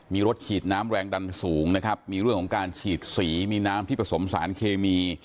มีรถฉีดน้ำแรงดันสูงนะครับมีเรื่องของการฉีดสีมีน้ำที่ผสมสารเคมี